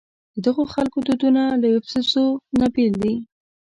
ددغو خلکو دودونه له یوسفزو نه بېل دي.